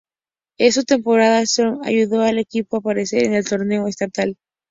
En su temporada sophomore ayudó al equipo a aparecer en el "torneo estatal".